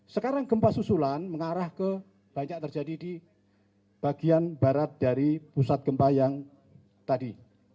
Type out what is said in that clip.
sekarang gempa susulan mengarah ke banyak terjadi di bagian barat dari pusat gempa yang tadi